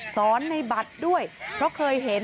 ในบัตรด้วยเพราะเคยเห็น